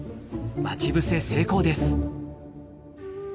待ち伏せ成功です。